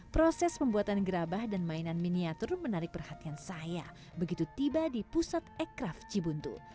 proses pembuatan gerabah dan mainan miniatur menarik perhatian saya begitu tiba di pusat ekraf cibuntu